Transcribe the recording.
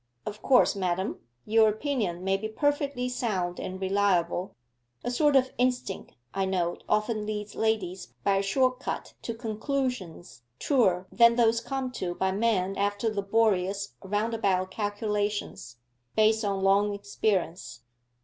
'Of course, madam, your opinion may be perfectly sound and reliable; a sort of instinct, I know, often leads ladies by a short cut to conclusions truer than those come to by men after laborious round about calculations, based on long experience.